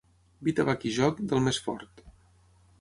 Vi, tabac i joc, del més fort.